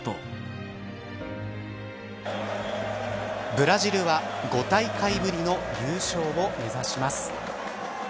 ブラジルは５大会ぶりの優勝を目指します。